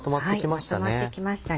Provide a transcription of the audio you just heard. まとまってきましたね。